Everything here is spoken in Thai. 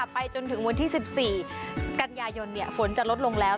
ไปจนถึงวันที่สิบสี่กันยายนเนี้ยฝนจะลดลงแล้ว